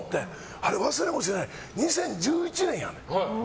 あれ忘れもしない、２０１１年や。